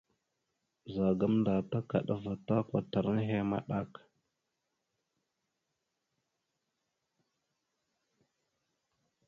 Ɓəza gamənda takaɗava ta kwatar nehe maɗak.